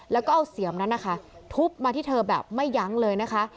แล้วก็เอาเสียมนั้นนะคะทุบมาที่เธอแบบไม่ยั้งเลยนะคะ